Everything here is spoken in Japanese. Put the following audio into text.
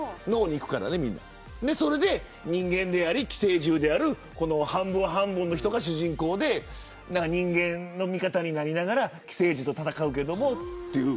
人間であり寄生獣である半分半分の人が主人公で人間の味方になりながら寄生獣と戦うけどという。